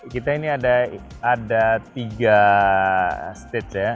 kita ini ada tiga stage ya